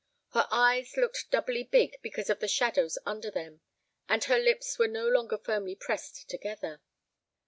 Her eyes looked doubly big because of the shadows under them, and her lips were no longer firmly pressed together.